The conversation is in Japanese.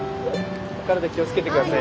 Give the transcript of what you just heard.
お体気をつけてください。